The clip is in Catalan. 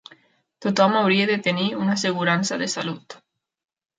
Tothom hauria de tenir una assegurança de salut.